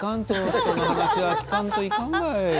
人の話は聞かんといかんばい。